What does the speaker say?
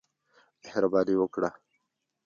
مهرباني وکړه !